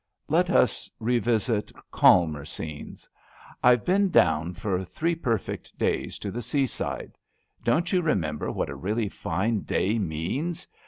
Let us revisit calmer scenes. IVe been down LETTERS ON LEAVE 217 for three perfect days to the seaside. Don^t you remember what a really fine day means